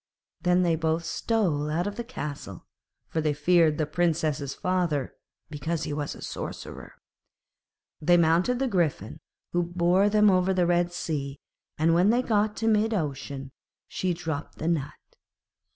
Then they both stole out of the castle, for they feared the Princess's father, because he was a sorcerer. They mounted the Griffin, who bore them over the Red Sea, and when they got to mid ocean, she dropped the nut.